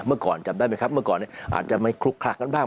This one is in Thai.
เมื่อก่อนจำได้ไหมครับเมื่อก่อนเนี่ยอาจจะไม่คลุกคลักกันบ้าง